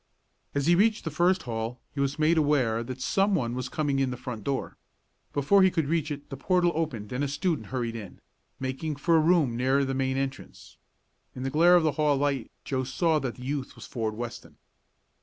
As he reached the first hall he was made aware that someone was coming in the front door. Before he could reach it the portal opened and a student hurried in, making for a room near the main entrance. In the glare of the hall light Joe saw that the youth was Ford Weston.